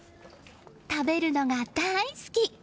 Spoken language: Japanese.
食べるのが大好き！